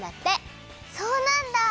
そうなんだ！